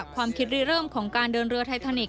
ความคิดรีเริ่มของการเดินเรือไททานิกส